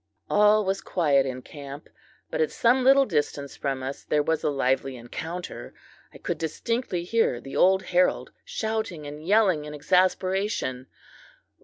All was quiet in camp, but at some little distance from us there was a lively encounter. I could distinctly hear the old herald, shouting and yelling in exasperation.